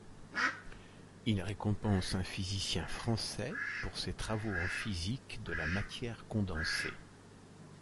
Il récompense un physicien français pour ses travaux en physique de la matière condensée.